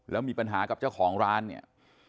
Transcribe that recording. แล้วมีปัญหากับเจ้าของร้านเนี่ย